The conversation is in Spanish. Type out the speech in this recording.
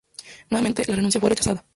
Nuevamente, la renuncia fue rechazada.